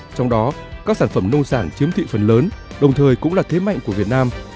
trong đó các sản phẩm nông sản chiếm thị phần lớn đồng thời cũng là thế mạnh của việt nam